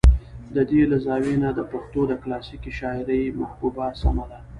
د دې له زاويې نه د پښتو د کلاسيکې شاعرۍ محبوبه سمه ده